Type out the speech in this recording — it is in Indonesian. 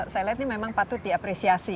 saya lihat ini memang patut diapresiasi